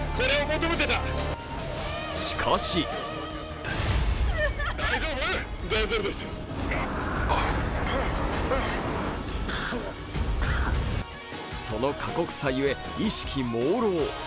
しかしその過酷さゆえ意識もうろう。